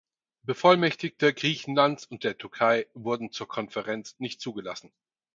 Bevollmächtigte Griechenlands und der Türkei wurden zur Konferenz nicht zugelassen.